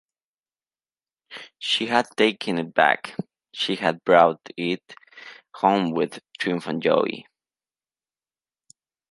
She had taken it back, she had brought it home with triumphant joy.